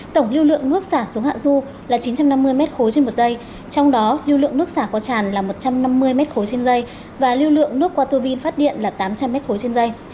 tổng lưu lượng nước xả xuống hạ du là chín trăm năm mươi m ba trên một giây trong đó lưu lượng nước xả qua tràn là một trăm năm mươi m ba trên dây và lưu lượng nước qua tư bin phát điện là tám trăm linh m ba trên dây